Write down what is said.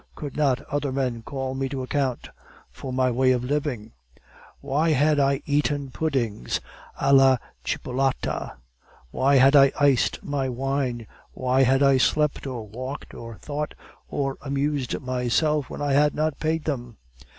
Could not other men call me to account for my way of living? Why had I eaten puddings a la chipolata? Why had I iced my wine? Why had I slept, or walked, or thought, or amused myself when I had not paid them?